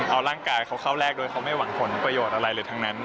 เอาร่างกายเขาเข้าแรกโดยเขาไม่หวังผลประโยชน์อะไรเลยทั้งนั้น